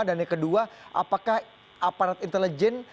dan yang kedua apakah aparat intelijen